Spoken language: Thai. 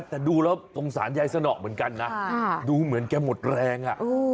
แต่ดูแล้วสงสารยายสนอเหมือนกันนะดูเหมือนแกหมดแรง